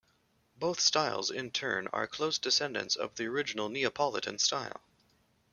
Both styles in turn are close descendants of the original Neapolitan style.